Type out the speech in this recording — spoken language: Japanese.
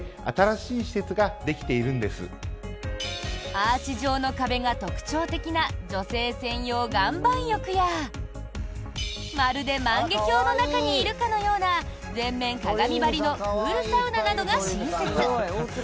アーチ状の壁が特徴的な女性専用岩盤浴やまるで万華鏡の中にいるかのような全面鏡張りのクールサウナなどが新設。